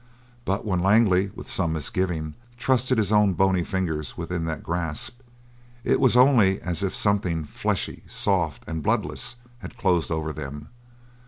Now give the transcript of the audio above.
But when Langley, with some misgiving, trusted his own bony fingers within that grasp, in was only as if something fleshy, soft, and bloodless had closed over them.